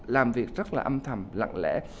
làm việc rất là âm thầm lặng lẽ